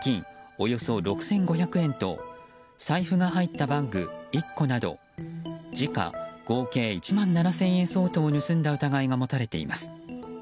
およそ６５００円と財布が入ったバッグ１個など時価合計１万７０００円相当を盗んだ疑いが持たれています。